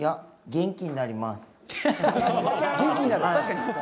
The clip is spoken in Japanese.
元気になります！